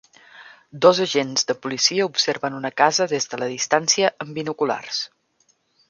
Dos agents de policia observen una casa des de la distància amb binoculars.